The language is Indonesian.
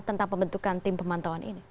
tentang pembentukan tim pemantauan ini